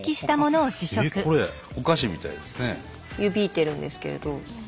湯引いてるんですけれど。